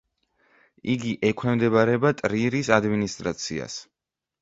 იგი ექვემდებარება ტრირის ადმინისტრაციას.